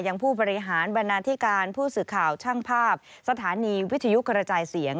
ผู้บริหารบรรณาธิการผู้สื่อข่าวช่างภาพสถานีวิทยุกระจายเสียง